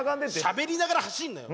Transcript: しゃべりながら走んなよ。